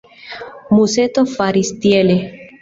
Museto faris tiele.